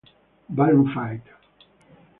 Balloon Fight".